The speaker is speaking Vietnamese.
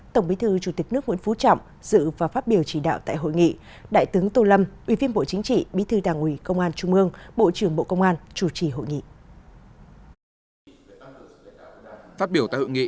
tổng bí thư chủ tịch nước nguyễn phú trọng dự và phát biểu chỉ đạo tại hội nghị